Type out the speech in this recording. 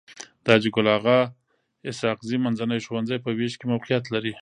د حاجي ګل اغا اسحق زي منځنی ښوونځی په ويش کي موقعيت لري.